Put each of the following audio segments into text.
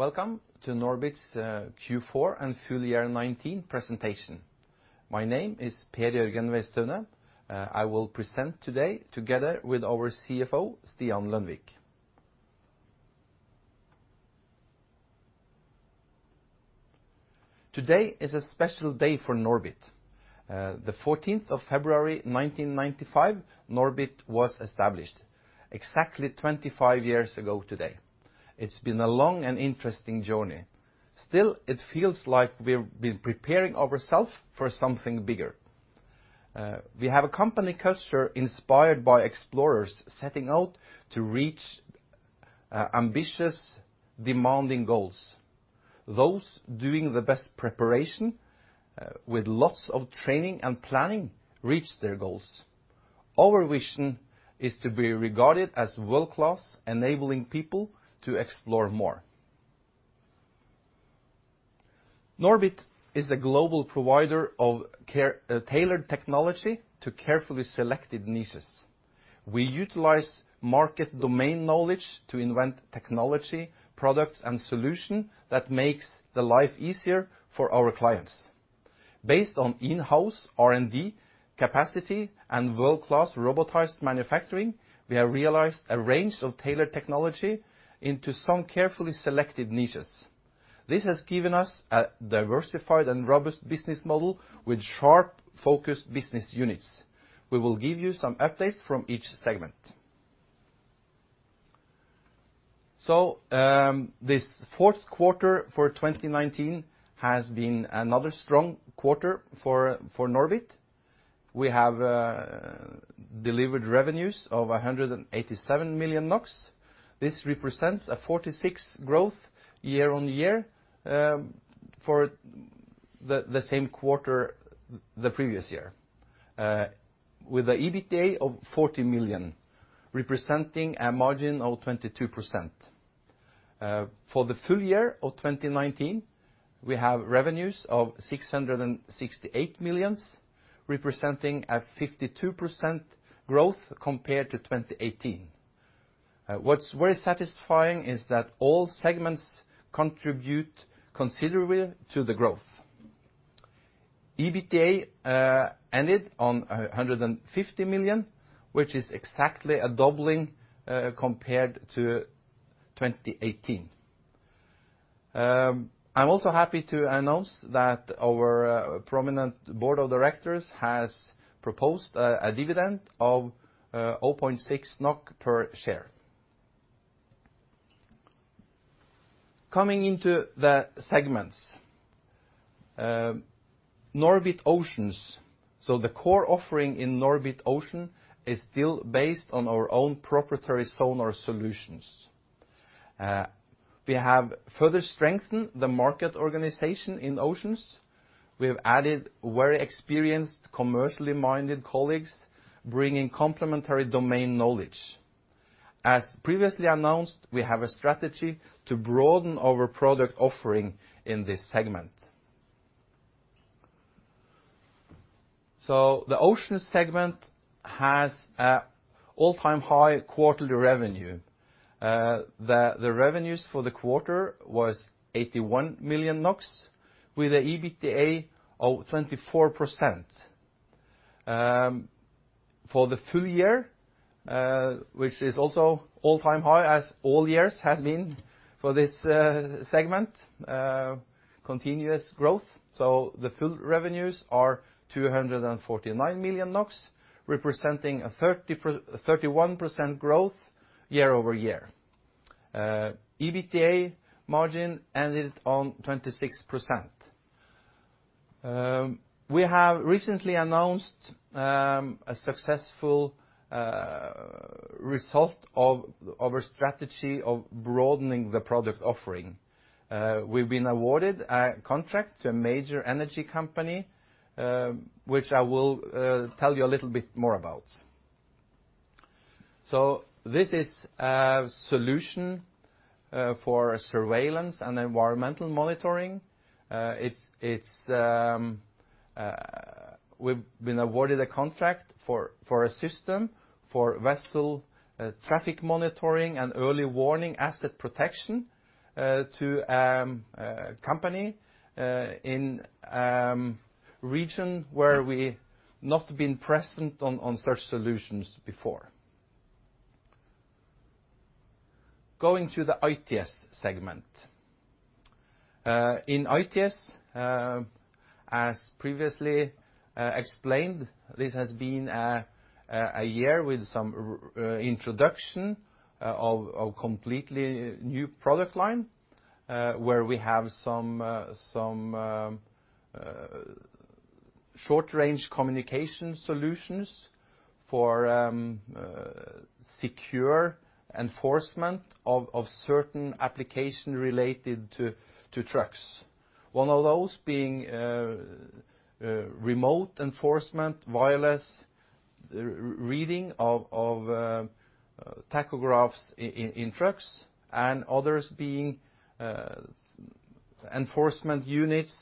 Welcome to NORBIT's Q4 and full year 2019 presentation. My name is Per Jørgen Weisethaunet. I will present today together with our CFO, Stian Lønvik. Today is a special day for NORBIT. The 14th of February 1995, NORBIT was established, exactly 25 years ago today. It's been a long and interesting journey. It feels like we've been preparing ourselves for something bigger. We have a company culture inspired by explorers setting out to reach ambitious, demanding goals. Those doing the best preparation with lots of training and planning reach their goals. Our vision is to be regarded as world-class, enabling people to explore more. NORBIT is a global provider of tailored technology to carefully selected niches. We utilize market domain knowledge to invent technology, products, and solutions that makes life easier for our clients. Based on in-house R&D capacity and world-class robotized manufacturing, we have realized a range of tailored technology into some carefully selected niches. This has given us a diversified and robust business model with sharp focused business units. We will give you some updates from each segment. This fourth quarter for 2019 has been another strong quarter for NORBIT. We have delivered revenues of 187 million NOK. This represents a 46% growth year-on-year for the same quarter the previous year with the EBITDA of 40 million, representing a margin of 22%. For the full year of 2019, we have revenues of 668 million, representing a 52% growth compared to 2018. What's very satisfying is that all segments contribute considerably to the growth. EBITDA ended on 150 million, which is exactly a doubling compared to 2018. I'm also happy to announce that our prominent Board of Directors has proposed a dividend of 0.6 NOK per share. Coming into the segments. NORBIT Oceans. The core offering in NORBIT Oceans is still based on our own proprietary sonar solutions. We have further strengthened the market organization in Oceans. We have added very experienced commercially minded colleagues bringing complementary domain knowledge. As previously announced, we have a strategy to broaden our product offering in this segment. The Oceans segment has an all-time high quarterly revenue. The revenues for the quarter was 81 million NOK with an EBITDA of 24%. For the full year, which is also all-time high, as all years has been for this segment, continuous growth. The full revenues are 249 million NOK, representing a 31% growth year-over-year. EBITDA margin ended on 26%. We have recently announced a successful result of our strategy of broadening the product offering. We have been awarded a contract to a major energy company, which I will tell you a little bit more about. This is a solution for surveillance and environmental monitoring. We have been awarded a contract for a system for vessel traffic monitoring and early warning asset protection to a company in region where we not been present on such solutions before. Going to the ITS segment. In ITS, as previously explained, this has been a year with some introduction of completely new product line, where we have some short-range communication solutions for secure enforcement of certain application related to trucks. One of those being remote enforcement, wireless reading of tachographs in trucks, and others being enforcement units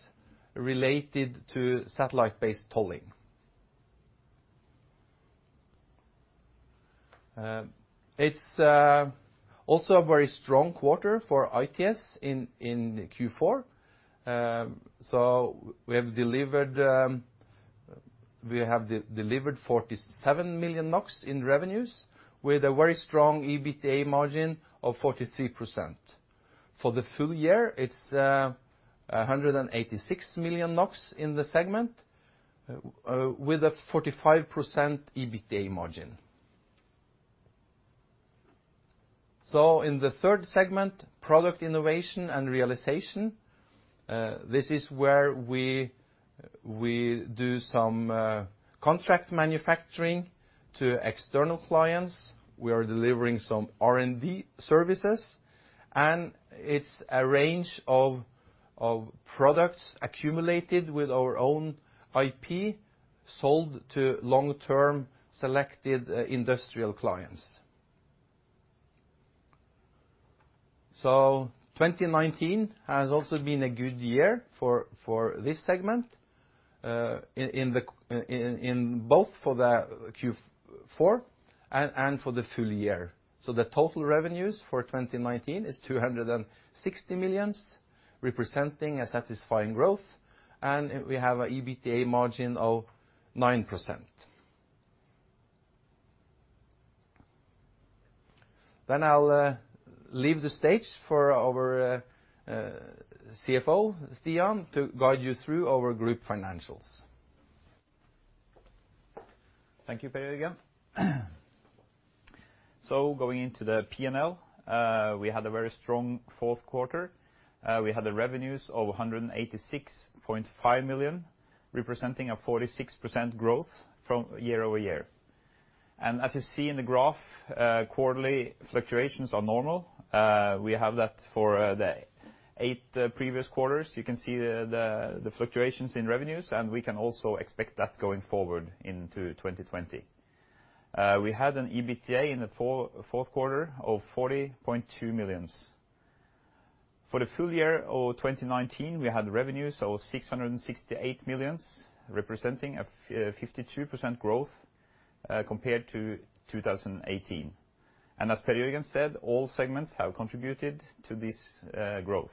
related to satellite-based tolling. It's also a very strong quarter for ITS in Q4. So, we have delivered 47 million NOK in revenues with a very strong EBITDA margin of 43%. For the full year, it's 186 million NOK in the segment with a 45% EBITDA margin. In the third segment, Product Innovation and Realization, this is where we do some contract manufacturing to external clients. We are delivering some R&D services, and it's a range of products accumulated with our own IP sold to long-term selected industrial clients. 2019 has also been a good year for this segment in both for the Q4 and for the full year. The total revenues for 2019 is 260 million, representing a satisfying growth. We have an EBITDA margin of 9%. I'll leave the stage for our CFO, Stian, to guide you through our group financials. Thank you, Per Jørgen. So, going into the P&L. We had a very strong fourth quarter. We had the revenues of 186.5 million, representing a 46% growth year-over-year. As you see in the graph, quarterly fluctuations are normal. We have that for the eight previous quarters. You can see the fluctuations in revenues, and we can also expect that going forward into 2020. We had an EBITDA in the fourth quarter of 40.2 million. For the full year of 2019, we had revenues of 668 million, representing a 52% growth compared to 2018. As Per Jørgen said, all segments have contributed to this growth.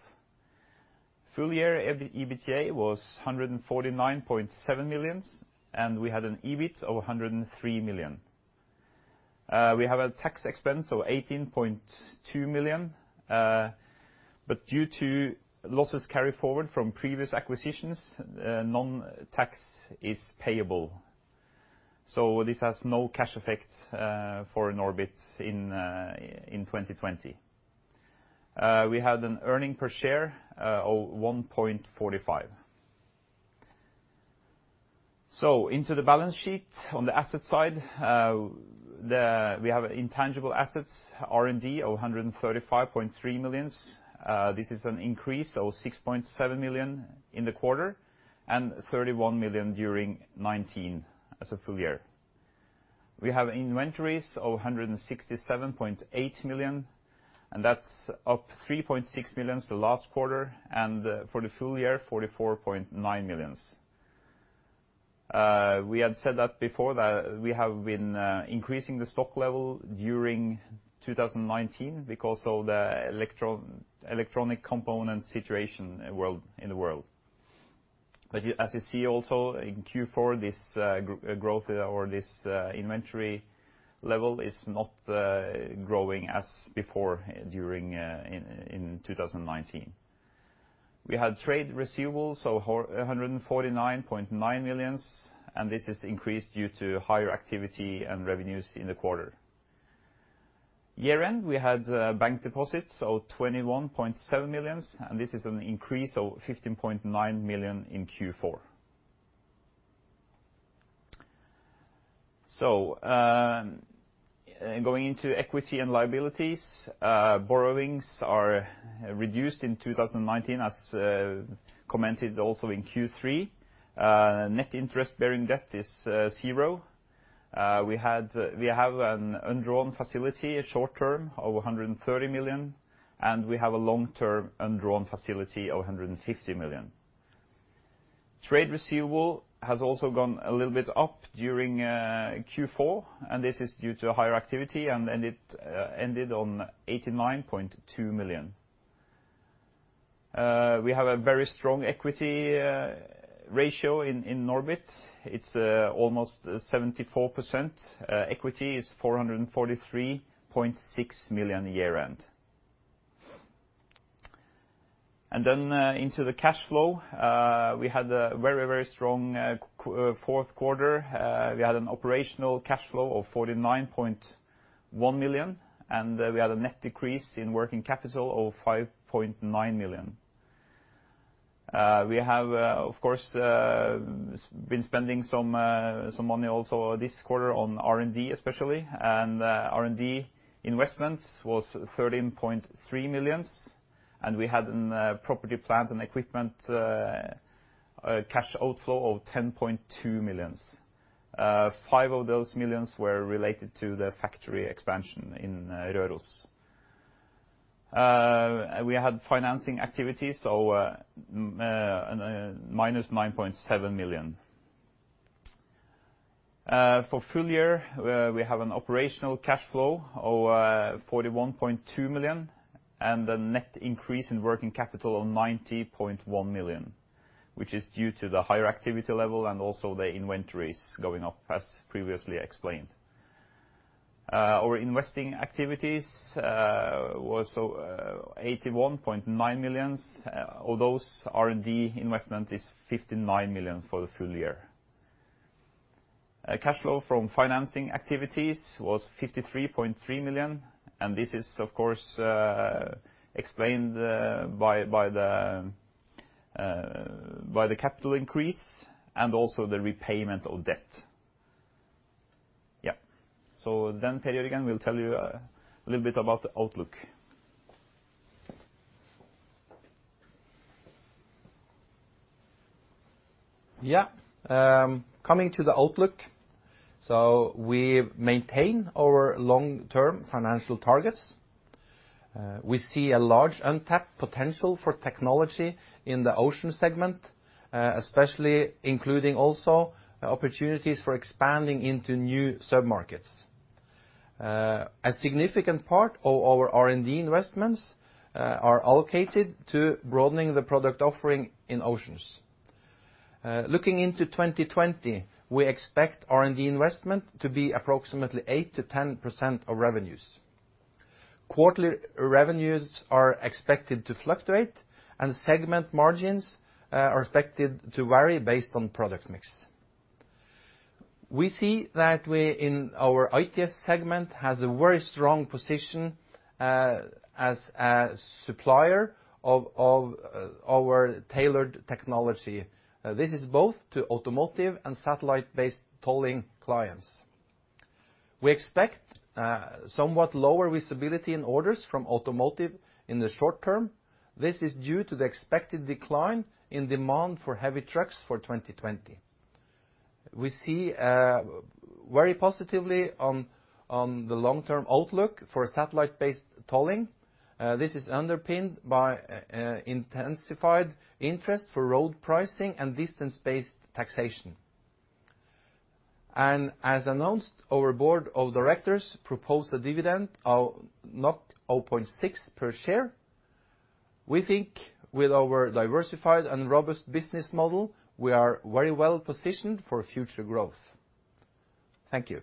Full year EBITDA was 149.7 million, and we had an EBIT of 103 million. We have a tax expense of 18.2 million, but due to losses carried forward from previous acquisitions, no tax is payable. This has no cash effect for NORBIT in 2020. We had earnings per share of 1.45. Into the balance sheet. On the asset side, we have intangible assets, R&D of 135.3 million. This is an increase of 6.7 million in the quarter and 31 million during 2019 as a full year. We have inventories of 167.8 million, and that's up 3.6 million the last quarter, and for the full year, 44.9 million. We had said that before that we have been increasing the stock level during 2019 because of the electronic component situation in the world. As you see also in Q4, this growth or this inventory level is not growing as before during 2019. We had trade receivables of 149.9 million, and this is increased due to higher activity and revenues in the quarter. At year-end, we had bank deposits of 21.7 million, and this is an increase of 15.9 million in Q4. Going into equity and liabilities, borrowings are reduced in 2019, as commented also in Q3. Net interest-bearing debt is zero. We have an undrawn facility, short-term, of 130 million, and we have a long-term undrawn facility of 150 million. Trade receivable has also gone a little bit up during Q4, and this is due to higher activity, and it ended on 89.2 million. We have a very strong equity ratio in NORBIT. It's almost 74%. Equity is NOK 443.6 million year-end. Into the cash flow. We had a very strong fourth quarter. We had an operational cash flow of 49.1 million, and we had a net decrease in working capital of 5.9 million. We have, of course, been spending some money also this quarter on R&D especially, and R&D investments was 13.3 million, and we had property, plant, and equipment cash outflow of 10.2 million. 5 million of those were related to the factory expansion in Røros. We had financing activities, -9.7 million. For full year, we have an operational cash flow of 41.2 million, and the net increase in working capital of 90.1 million, which is due to the higher activity level and also the inventories going up, as previously explained. Our investing activities was 81.9 million. Of those, R&D investment is 59 million for the full year. Cash flow from financing activities was 53.3 million, and this is, of course, explained by the capital increase and also the repayment of debt. Per Jørgen, again, will tell you a little bit about the outlook. Yeah. Coming to the outlook, we've maintained our long-term financial targets. We see a large, untapped potential for technology in the Oceans segment, especially including also opportunities for expanding into new sub-markets. A significant part of our R&D investments are allocated to broadening the product offering in Oceans. Looking into 2020, we expect R&D investment to be approximately 8%-10% of revenues. Quarterly revenues are expected to fluctuate, and segment margins are expected to vary based on product mix. We see that we, in our ITS segment, has a very strong position as a supplier of our tailored technology. This is both to automotive and satellite-based tolling clients. We expect somewhat lower visibility in orders from automotive in the short term. This is due to the expected decline in demand for heavy trucks for 2020. We see very positively on the long-term outlook for satellite-based tolling. This is underpinned by intensified interest for road pricing and distance-based taxation. As announced, our Board of Directors propose a dividend of 0.6 per share. We think with our diversified and robust business model, we are very well positioned for future growth. Thank you.